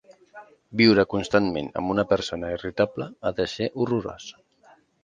Viure constantment amb una persona irritable ha de ser horrorós.